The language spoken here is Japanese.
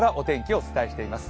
お伝えしています。